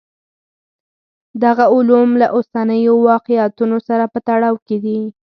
دغه علوم له اوسنیو واقعیتونو سره په تړاو کې دي.